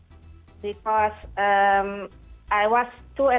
karena saya berusia dua lima tahun